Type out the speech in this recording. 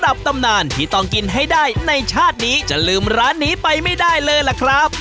ตำนานที่ต้องกินให้ได้ในชาตินี้จะลืมร้านนี้ไปไม่ได้เลยล่ะครับ